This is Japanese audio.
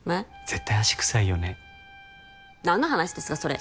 絶対足臭いよね何の話ですかそれ？